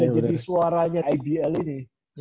itu udah jadi suaranya ibl ini